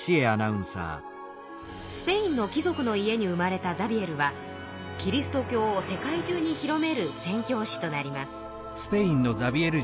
スペインの貴族の家に生まれたザビエルはキリスト教を世界中に広める宣教師となります。